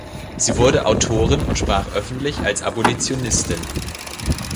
Sie wurde Autorin und sprach öffentlich als Abolitionistin.